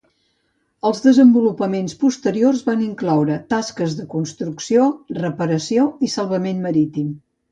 Els desenvolupaments posteriors van incloure tasques de construcció, reparació i salvament marítim.